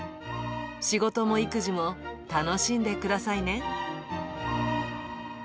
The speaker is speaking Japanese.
仕事も育児も楽しんでくださいね。